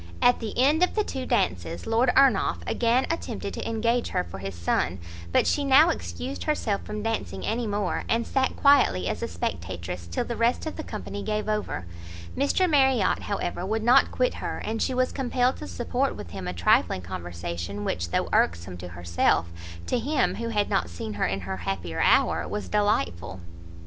At the end of the two dances, Lord Ernolf again attempted to engage her for his son, but she now excused herself from dancing any more, and sat quietly as a spectatress till the rest of the company gave over. Mr Marriot, however, would not quit her, and she was compelled to support with him a trifling conversation, which, though irksome to herself, to him, who had not seen her in her happier hour, was delightful.